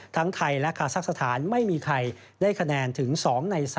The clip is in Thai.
ทั้งไทยและคาซักสถานไม่มีใครได้คะแนนถึง๒ใน๓